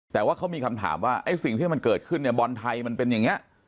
แต่ว่าเขามีคำถามว่าไอ้สิ่งที่มันเกิดขึ้นเนี่ยบอลไทยมันเป็นอย่างนี้